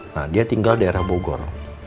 nah dia tinggal daerah bogor